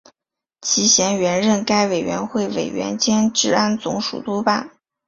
齐燮元任该委员会委员兼治安总署督办。